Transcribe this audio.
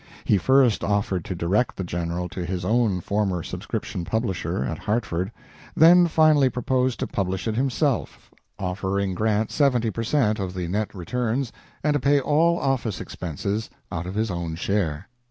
He first offered to direct the general to his own former subscription publisher, at Hartford, then finally proposed to publish it himself, offering Grant seventy per cent. of the net returns, and to pay all office expenses out of his own share.